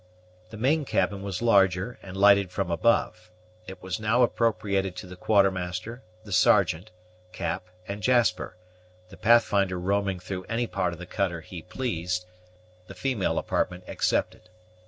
The main cabin was larger, and lighted from above. It was now appropriated to the Quartermaster, the Sergeant, Cap, and Jasper; the Pathfinder roaming through any part of the cutter he pleased, the female apartment excepted.